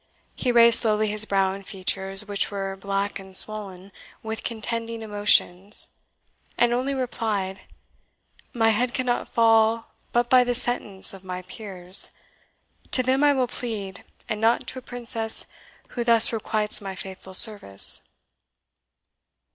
He raised slowly his brow and features, which were black and swoln with contending emotions, and only replied, "My head cannot fall but by the sentence of my peers. To them I will plead, and not to a princess who thus requites my faithful service."